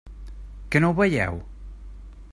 Que no ho veieu?